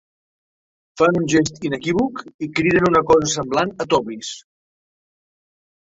Fan un gest inequívoc i criden una cosa semblant a Tobies.